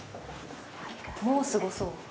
もうすごそう。